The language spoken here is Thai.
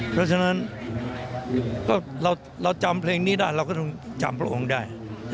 เพราะฉะนั้นเราจำเพลงนี้ได้เราก็ต้องจำพระองค์ได้